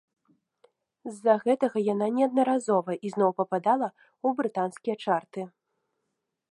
З-за гэтага яна неаднаразова ізноў пападала ў брытанскія чарты.